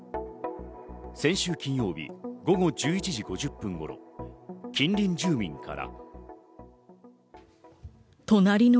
先週金曜日、午後１１時５０分頃、近隣住民から。